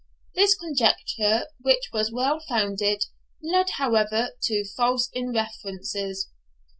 This conjecture, which was well founded, led, however, to false inferences.